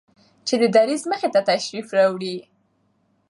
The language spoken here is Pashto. چې د دريځ مخې ته تشریف راوړي